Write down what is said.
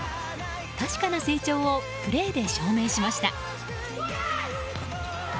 確かな成長をプレーで証明しました。